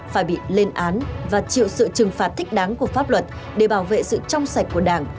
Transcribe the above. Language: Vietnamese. phải bị lên án và chịu sự trừng phạt thích đáng của pháp luật để bảo vệ sự trong sạch của đảng